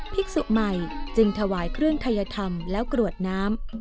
ภิกษุใหม่จึงถวายเครื่องทัยธรรมแล้วกรวดน้ำ